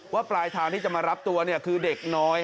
ปลายทางที่จะมารับตัวคือเด็กน้อย